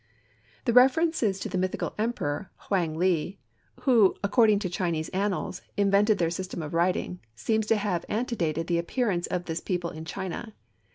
The references to the mythical emperor, Hwang le, who, according to Chinese annals, invented their system of writing, seems to have antedated the appearance of this people in China.